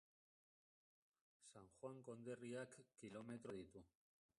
San Juan konderriak kilometro koadro ditu.